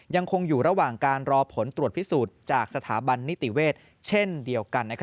ยังคงอยู่ระหว่างการรอผลตรวจพิสูจน์จากสถาบันนิติเวชเช่นเดียวกัน